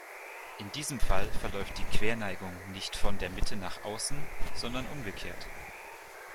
In diesem Fall verläuft die Querneigung nicht von der Mitte nach außen, sondern umgekehrt.